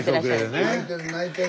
泣いてる泣いてる。